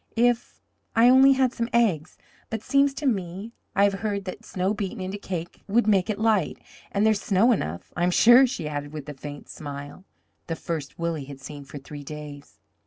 If I only had some eggs but seems to me I have heard that snow beaten into cake would make it light and there's snow enough, I'm sure," she added with a faint smile, the first Willie had seen for three days.